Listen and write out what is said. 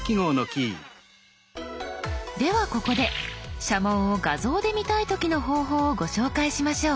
ではここで社紋を画像で見たい時の方法をご紹介しましょう。